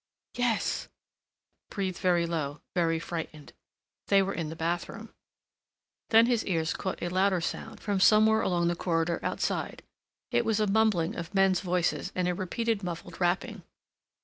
"Yes—" breathed very low, very frightened. They were in the bathroom. Then his ears caught a louder sound from somewhere along the corridor outside. It was a mumbling of men's voices and a repeated muffled rapping.